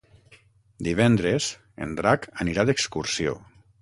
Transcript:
Divendres en Drac anirà d'excursió.